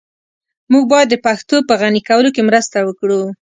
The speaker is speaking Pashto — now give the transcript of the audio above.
موږ بايد د پښتو په غني کولو کي مرسته وکړو.